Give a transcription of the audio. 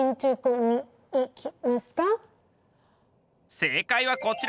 正解はこちら。